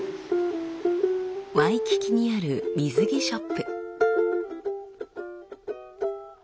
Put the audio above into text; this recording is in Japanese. ワイキキにある水着ショップ。